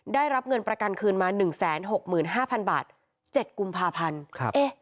ได้รับเงินประกันคืนมา๑๖๕๐๐บาท๗กุมภาพันธ์